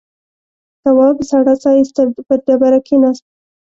تواب سړه سا ایسته پر ډبره کېناست.